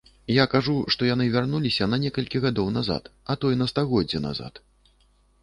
Я кажу, што яны вярнуліся на некалькі гадоў, а то і на стагоддзе назад.